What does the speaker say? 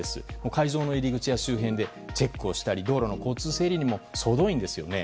会場の入り口や周辺でチェックをしたり道路の交通整備にも総動員ですよね。